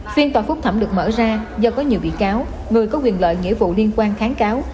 phiên tòa phúc thẩm được mở ra do có nhiều bị cáo người có quyền lợi nghĩa vụ liên quan kháng cáo